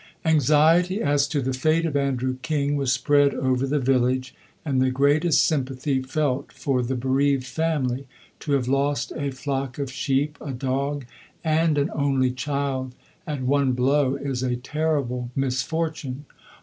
Anxiety as to the fate of Andrew King was spread over the village and the greatest sympathy felt for the bereaved family. To have lost a flock of sheep, a dog, and an only child at one blow is a terrible misfortune.